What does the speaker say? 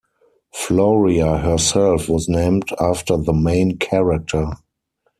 Floria herself was named after the main character.